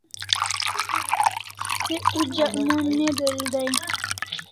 Se ujak mon ne del dai